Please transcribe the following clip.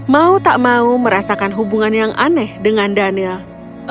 mau tak mau merasakan hubungan yang aneh dengan daniel